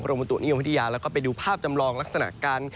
บุตุนิยมพัทยาแล้วก็ไปดูภาพจำลองลักษณะการ